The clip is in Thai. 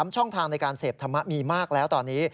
ช่องทางในการเสพธรรมะมีมากแล้วตอนนี้